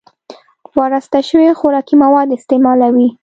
وراسته شوي خوراکي مواد استعمالوي